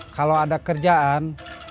kalau ada kerjaan